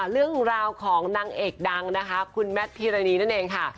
เรื่องราวของนางเอกดังนะคะคุณแมทพิรณีนั่นเองค่ะ